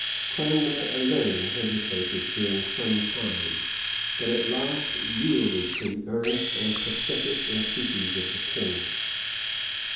Cranmer alone hesitated during some time, but at last yielded to the earnest and pathetic entreaties of the king.